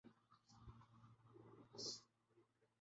محنت کرو تا کہ کامیاب ہو سکو